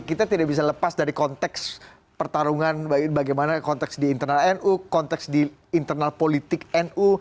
kita tidak bisa lepas dari konteks pertarungan bagaimana konteks di internal nu konteks di internal politik nu